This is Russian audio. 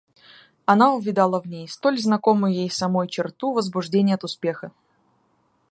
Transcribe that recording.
Она увидала в ней столь знакомую ей самой черту возбуждения от успеха.